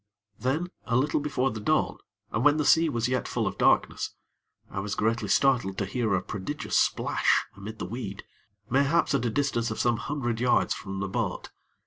Then, a little before the dawn, and when the sea was yet full of darkness, I was greatly startled to hear a prodigious splash amid the weed, mayhaps at a distance of some hundred yards from the boat.